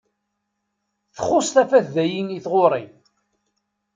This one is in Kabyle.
Txuṣṣ tafat dayi i tɣuri.